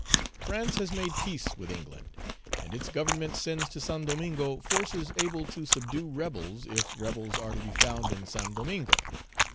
"France has made peace with England, and its Government sends to Saint Domingo forces able to subdue rebels, if rebels are to be found in Saint Domingo.